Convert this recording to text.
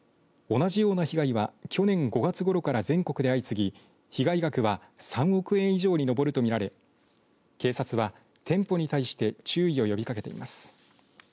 同じような被害は去年５月ごろから全国で相次ぎ被害額は３億円以上に上るとみられ警察は、店舗に対して注意を呼びかけています。